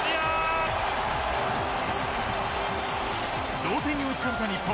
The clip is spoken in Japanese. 同点に追いつかれた日本。